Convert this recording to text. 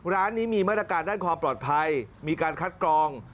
ร้านนี้มีมาตรการด้านความปลอดภัยมีการคัดกรอง